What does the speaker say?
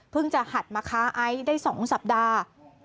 จะหัดมาค้าไอซ์ได้๒สัปดาห์